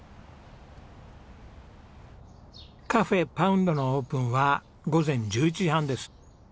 カフェＰＯＵＮＤのオープンは午前１１時半です。